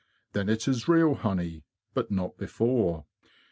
Then it is real honey, but not before.